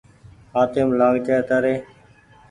هآتيم لآگ جآئي تآري